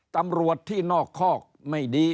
ตำรวจที่นอกคอกไม่ดี